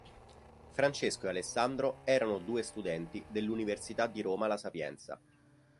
Francesco e Alessandro erano due studenti dell'Università di Roma La Sapienza.